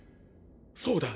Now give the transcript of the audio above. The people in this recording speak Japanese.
そうだ